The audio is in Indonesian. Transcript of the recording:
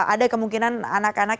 ada kemungkinan anak anak